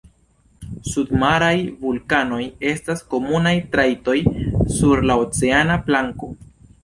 Submaraj vulkanoj estas komunaj trajtoj sur la oceana planko.